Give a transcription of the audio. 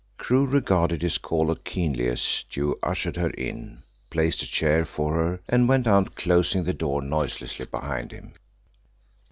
Crewe regarded his caller keenly as Joe ushered her in, placed a chair for her, and went out, closing the door noiselessly behind him.